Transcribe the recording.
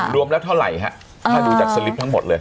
รวมแล้วเท่าไหร่ฮะถ้าดูจากสลิปทั้งหมดเลย